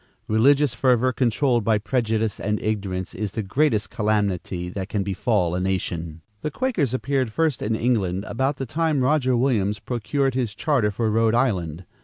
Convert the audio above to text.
Religious fervor controlled by prejudice and ignorance is the greatest calamity that can befall a nation. The Quakers appeared first in England about the time Roger Williams procured his charter for Rhode Island.